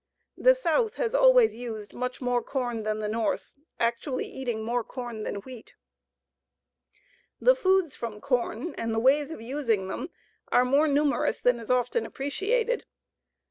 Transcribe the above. The South has always used much more corn than the North, actually eating more corn than wheat. The foods from corn and the ways of using them are more numerous than is often appreciated.